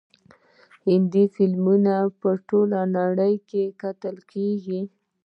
هندي فلمونه په ټوله نړۍ کې کتل کیږي.